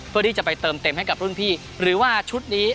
เพื่อที่จะไปเติมเต็มให้กับรุ่นพี่หรือว่าชุดนี้